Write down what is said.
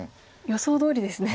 予想どおりですね。